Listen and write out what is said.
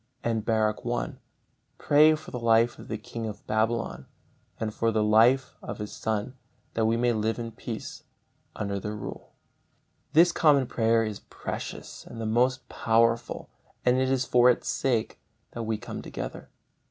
And Baruch i: "Pray for the life of the king of Babylon and for the life of his son, that we may live in peace under their rule." This common prayer is precious and the most powerful, and it is for its sake that we come together.